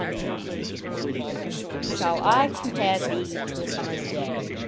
XVIII Shall I compare thee to a summerâs day?